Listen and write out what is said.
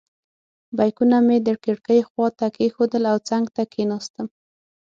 بیکونه مې د کړکۍ خواته کېښودل او څنګ ته کېناستم.